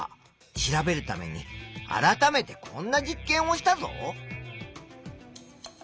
調べるために改めてこんな実験をしたぞ。